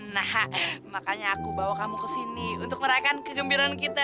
nah makanya aku bawa kamu ke sini untuk merayakan kegembiraan kita